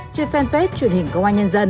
trên fanpage truyền hình công an nhân dân